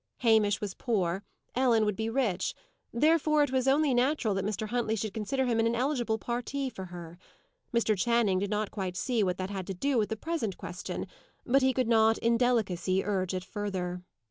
Hamish was poor: Ellen would be rich; therefore it was only natural that Mr. Huntley should consider him an ineligible parti for her. Mr. Channing did not quite see what that had to do with the present question; but he could not, in delicacy, urge it further.